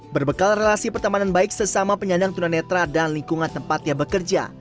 berbekal relasi pertemanan baik sesama penyandang tunanetra dan lingkungan tempatnya bekerja